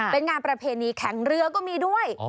เป็นงานประเพณีแข่งเรือก็มีด้วย